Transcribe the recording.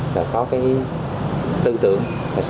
là có cái tư tưởng